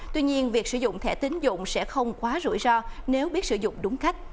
tuy nhiên việc sử dụng thẻ tính dụng sẽ không quá rủi ro nếu biết sử dụng đúng cách